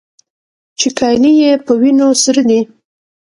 چې کالي يې په وينو سره دي.